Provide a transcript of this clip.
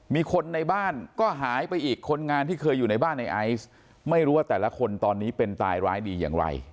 มีคนในบ้านก็หายไปอีกคนงานที่เคยอยู่ในบ้านในไอซ์ไม่รู้ว่าแต่ละคนตอนนี้เป็นตายร้ายดีอย่างไร